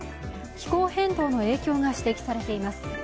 気候変動の影響が指摘されています。